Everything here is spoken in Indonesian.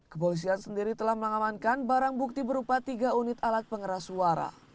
kepolisian sendiri telah mengamankan barang bukti berupa tiga unit alat pengeras suara